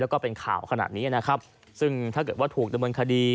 แล้วก็เป็นข่าวขนาดนี้นะครับซึ่งถ้าเกิดว่าถูกดำเนินคดี